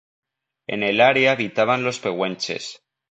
En el área habitaban los pehuenches.